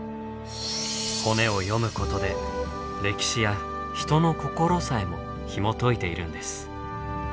骨を読むことで歴史や人の心さえもひも解いているんです。